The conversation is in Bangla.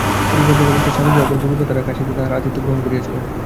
পরিব্রাজক অবস্থায় স্বামীজী ও অপর গুরুভ্রাতারা কাশীতে তাঁহার আতিথ্য গ্রহণ করিয়াছিলেন।